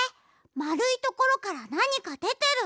まるいところからなにかでてる。